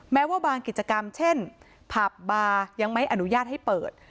แม้ว่าบางกิจกรรมเช่นผับบาร์ยังไม่อนุญาตให้เปิด